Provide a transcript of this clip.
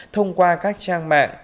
thông qua các trang mạng